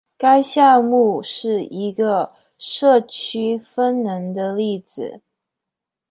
该项目是一个社区风能的例子。